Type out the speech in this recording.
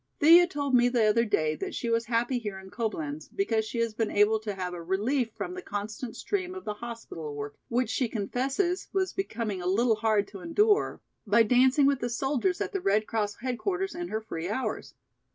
Thea told me the other day that she was happy here in Coblenz because she has been able to have a relief from the constant strain of the hospital work, which she confesses was becoming a little hard to endure, by dancing with the soldiers at the Red Cross headquarters in her free hours.